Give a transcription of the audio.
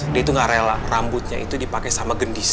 dia itu gak rela rambutnya itu dipakai sama gendis